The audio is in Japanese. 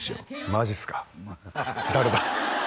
マジっすか誰だ？